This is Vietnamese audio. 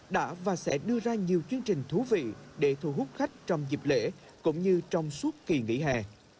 đã và sẽ đưa ra nhiều chương trình thú vị để thu hút khách trong dịp lễ cũng như trong suốt kỳ nghỉ hè